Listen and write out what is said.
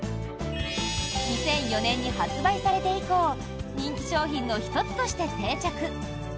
２００４年に発売されて以降人気商品の１つとして定着。